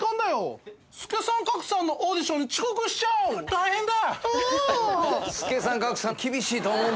大変だ！